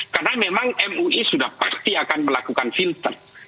karena memang mui sudah pasti akan melakukan filter